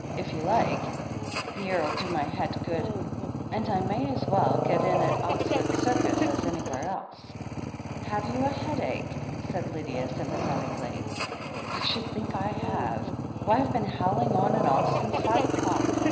THE HEEL OF ACHILLES 137 if you like. The air'U do my head good, and I may as well get in at Oxford Circus as anywhere else." ''Have you a headache ?" said Lydia sympathetically. "I should think I have ! Why, Fve been howling, on and off, since five o'clock.